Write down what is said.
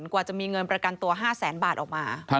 กว่าจะมีเงินประกันตัว๕แสนบาทออกมา